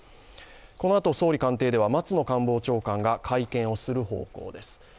このあと総理官邸では松野官房長官が会見をする方向です。